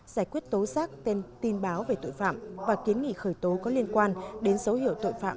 giải quyết tố giác tin báo về tội phạm và kiến nghị khởi tố có liên quan đến dấu hiệu tội phạm